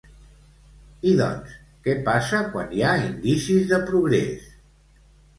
I doncs, què passa quan hi ha indicis de progrés?